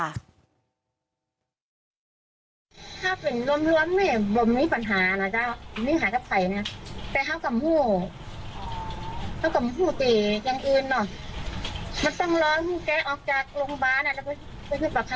แล้วว่าให้จะเป็นคนบ่ระชอบในเรียมไปให้